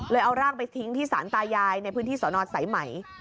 เอาร่างไปทิ้งที่สารตายายในพื้นที่สนสายไหม